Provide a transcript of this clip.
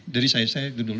dari saya saya dulu